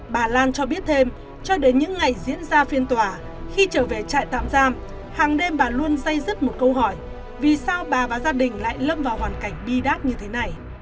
bà lan cho biết thêm cho đến những ngày diễn ra phiên tòa khi trở về trại tạm giam hàng đêm bà luôn dây dứt một câu hỏi vì sao bà và gia đình lại lâm vào hoàn cảnh bi đát như thế này